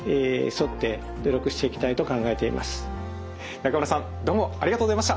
中村さんどうもありがとうございました。